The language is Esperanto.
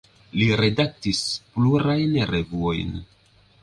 Li redaktis plurajn revuojn.